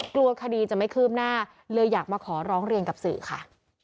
กลัวคดีจะไม่คืบหน้าเลยอยากมาขอร้องเรียนกับสื่อค่ะ